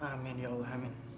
amin ya allah